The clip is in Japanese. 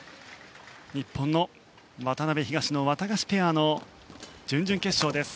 日本の渡辺、東野ワタガシペアの準々決勝。